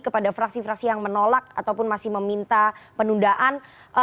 kepada fraksi fraksi yang menolak ataupun masih meminta penundaan